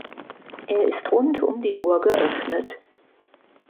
Er ist rund um die Uhr geöffnet.